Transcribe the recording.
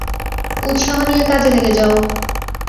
উৎসাহ নিয়ে কাজে লেগে যাও।